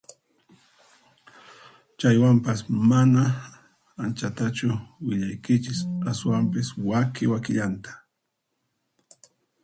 Chaywanpas mana anchatachu willaykichis ashwampis waki wakillanta